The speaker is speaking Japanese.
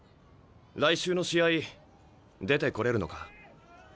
来週の試合出てこれるのか？